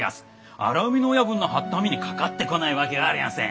荒海の親分の張った網にかかってこないわけがありません！